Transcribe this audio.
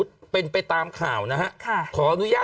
กล้องกว้างอย่างเดียว